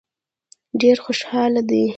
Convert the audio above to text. ډېر خوشاله دي.